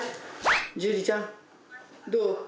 樹里ちゃんどう？